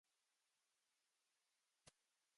誕生日を祝いました。